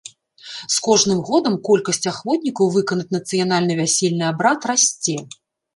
З кожным годам колькасць ахвотнікаў выканаць нацыянальны вясельны абрад расце.